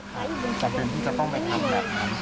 จำเป็นที่จะต้องไปทำแบบนั้น